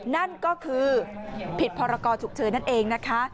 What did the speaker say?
นั่นก็คือผิดพรกรฉุกเฉินนั่นเองนะคะ